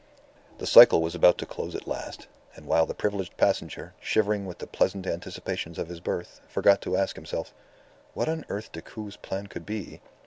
The cycle was about to close at last. And while the privileged passenger, shivering with the pleasant anticipations of his berth, forgot to ask himself, "What on earth Decoud's plan could be?"